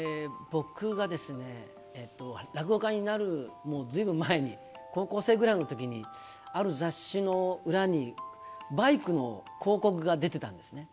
僕が落語家になる、もうずいぶん前に、高校生ぐらいのときに、ある雑誌の裏にバイクの広告が出てたんですね。